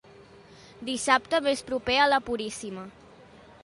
Dissabte més proper a la Puríssima.